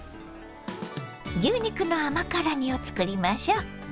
牛肉の甘辛煮を作りましょ。